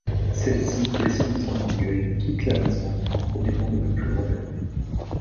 Celle-ci, blessée dans son orgueil, quitte la maison, en promettant de ne plus revenir.